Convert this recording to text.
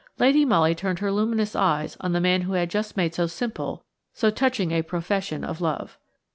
Lady Molly turned her luminous eyes on the man who had just made so simple, so touching a profession of love.